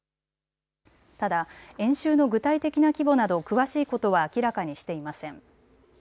ただ演習の具体的な規模など詳しいことは明らかにしていません。